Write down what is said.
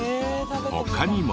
他にも。